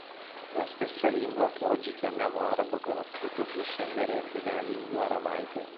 La stessa lingua che oggi chiamiamo ”arabo classico” discenderebbe dalla lingua aramaica.